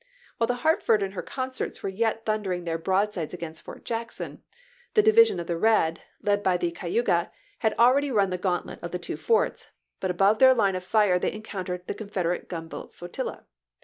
While the Hartford and her consorts were yet thundering their broadsides against Fort Jackson, the " Di\dsion of the Red," led by the Cayuga^ had already run the gauntlet of the two forts ; but above their line of fire they encountered the Con federate gunboat flotilla.